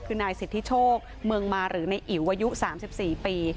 คือนายสิทธิโชคเมืองมาหรือในอิ๋วอายุ๓๔ปี